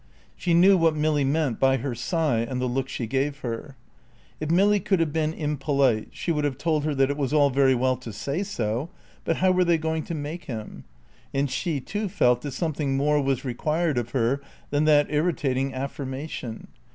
She knew what Milly meant by her sigh and the look she gave her. If Milly could have been impolite, she would have told her that it was all very well to say so, but how were they going to make him? And she too felt that something more was required of her than that irritating affirmation.